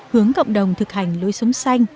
hướng cộng đồng thực hành lối sống xanh